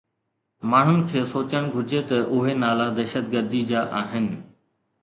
ماڻهن کي سوچڻ گهرجي ته اهي نالا دهشتگردي جا آهن